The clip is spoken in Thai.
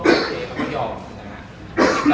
เพื่อโดยพี่หลับสมัย